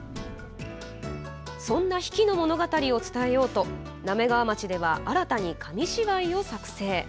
そんな比企の物語を伝えようと滑川町では新たに紙芝居を作成。